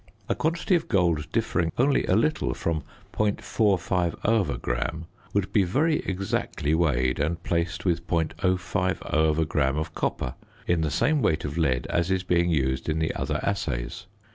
A quantity of gold differing only a little from .450 gram would be very exactly weighed and placed with .050 gram of copper in the same weight of lead as is being used in the other assays.